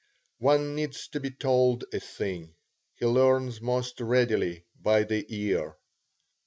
One needs to be told a thing; he learns most readily by the ear.